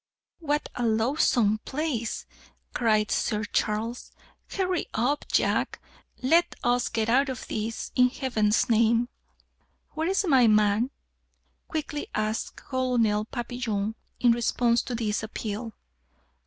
"What a loathsome place!" cried Sir Charles. "Hurry up, Jack! let us get out of this, in Heaven's name!" "Where's my man?" quickly asked Colonel Papillon in response to this appeal.